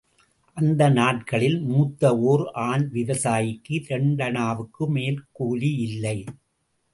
அந்த நாட்களில் மூத்த ஓர் ஆண் விவசாயிக்கு இரண்டனாவுக்கு மேல் கூலி இல்லை.